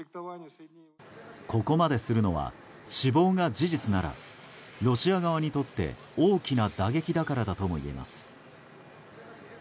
ここまでするのは死亡が事実ならロシア側にとって、大きな打撃だからだともいえます。